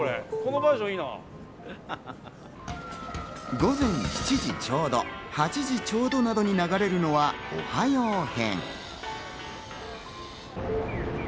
午前７時ちょうど、８時ちょうどなどに流れるのは、おはよう編。